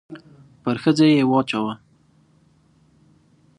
پر ښځې يې واچاوه.